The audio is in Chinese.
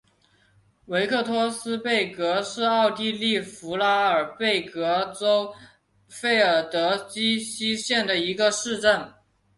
维克托斯贝格是奥地利福拉尔贝格州费尔德基希县的一个市镇。